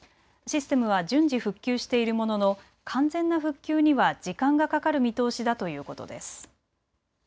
システムは順次復旧しているものの完全な復旧には時間がかかる見通しだということです。